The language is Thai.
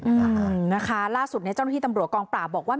อืมนะคะล่าสุดเนี่ยเจ้าหน้าที่ตำรวจกองปราบบอกว่า